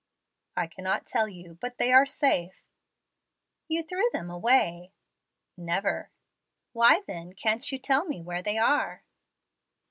"I cannot tell you. But they are safe." "You threw them away." "Never." "Why, then, can't you tell me where they are?"